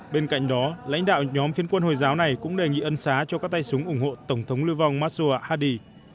bên cạnh đó lãnh đạo nhóm phiên quân hồi giáo này cũng đề nghị ân xá cho các tay súng ủng hộ tổng thống lưu vong massaua ahdi